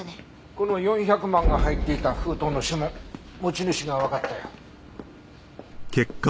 この４００万が入っていた封筒の指紋持ち主がわかったよ。